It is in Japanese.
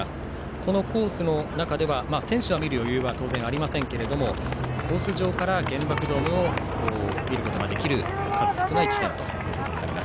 このコースの中では選手は見る余裕はありませんがコース上から原爆ドームを見ることができる数少ない地点となります。